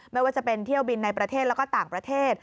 ไม่ว่าจะเป็นเที่ยวบินในประเทศแล้วก็ต่างประเทศ